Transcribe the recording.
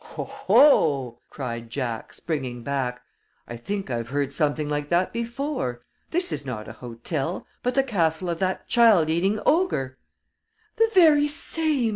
"Oho!" cried Jack, springing back. "I think I've heard something like that before. This is not a hotel, but the castle of that child eating ogre " "The very same!"